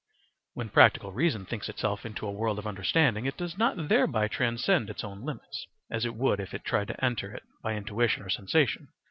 When practical reason thinks itself into a world of understanding, it does not thereby transcend its own limits, as it would if it tried to enter it by intuition or sensation.